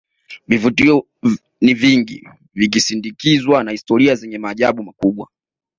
vivutio ni vingi vikisindikizwa na historia zenye maajabu makubwa